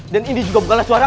dan ini juga bukanlah suara